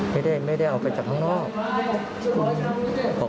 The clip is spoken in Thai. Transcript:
ไม่ได้ไม่ได้เอาไปจากข้างนอก